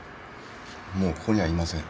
もうここにはいません。